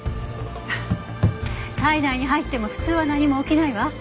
体内に入っても普通は何も起きないわ。